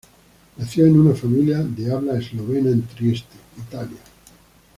Nació en una familia de habla eslovena en Trieste, Italia.